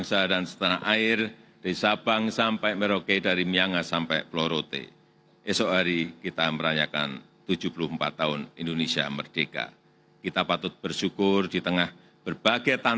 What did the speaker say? semoga berjaya semoga berjaya